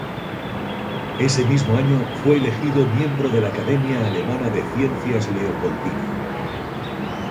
Ese mismo año, fue elegido miembro de la Academia Alemana de Ciencias Leopoldina.